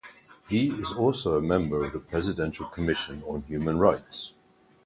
He is also a member of the Presidential Commission on Human Rights.